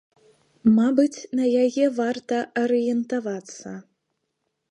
Мабыць, на яе варта арыентавацца.